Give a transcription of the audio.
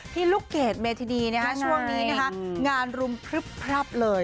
ที่ลูกเกดเมธีดีช่วงนี้นะคะงานรุมพรึบเลย